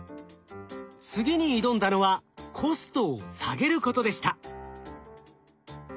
次に挑んだのはコストを下げることでした。